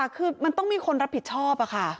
ครับ